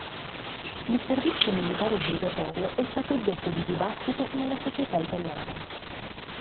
Il servizio militare obbligatorio è stato oggetto di dibattito nella società italiana.